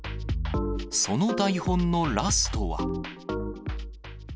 その台本のラストは。